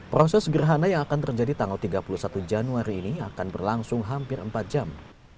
proses gerhana yang akan terjadi tanggal tiga puluh satu januari ini akan berlangsung hampir empat jam